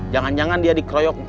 jangan jangan dia dikroyok